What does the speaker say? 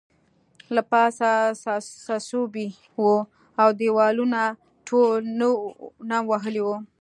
له پاسه څڅوبی وو او دیوالونه ټول نم وهلي وو